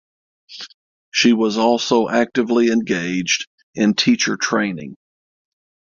She was also actively engaged in teacher training.